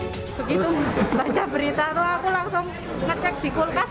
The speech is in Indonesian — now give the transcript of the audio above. begitu baca berita itu aku langsung ngecek di kulkas